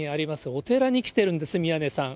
お寺に来てるんです、宮根さん。